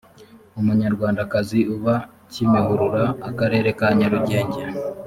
umunyarwandakazi uba kimihurura akarere ka nyarugenge